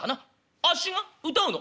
「あっちが謡うの？